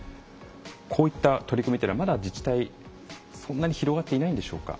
こういった取り組みというのはまだ自治体そんなに広がっていないんでしょうか？